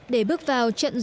để bước vào trận giành thắng